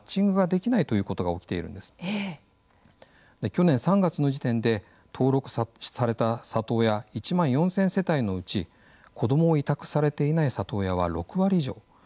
去年３月の時点で登録された里親１万４，０００世帯のうち子どもを委託されていない里親は６割以上。